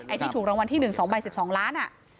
ที่ถูกรางวัลที่๑๒ใบ๑๒ล้าน